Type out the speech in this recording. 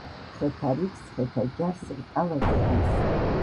ხეთა რიგს ხეთა ჯარს რკალად ხრის